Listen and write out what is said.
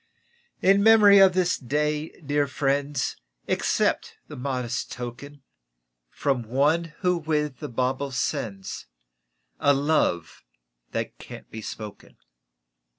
In memory of this Day, dear friends, Accept the modest token From one who with the bauble sends A love that can't be spoken.